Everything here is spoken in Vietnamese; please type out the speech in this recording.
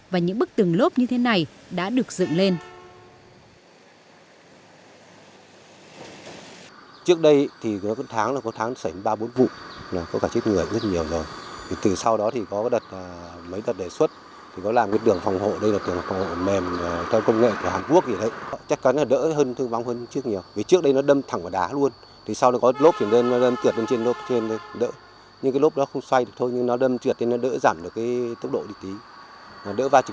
và những bức tường lốp như thế này đã được dựng lên